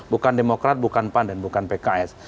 bukan demokrat bukan pan dan bukan pks